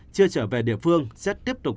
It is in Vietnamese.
chưa trở về địa phương sẽ tiếp tục